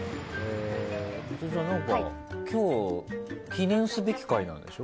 ミトちゃん、何か今日記念すべき回なんでしょ？